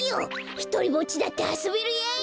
ひとりぼっちだってあそべるやい！